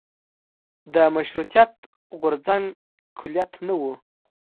د مشروطیت غورځنګ کلیت نه و.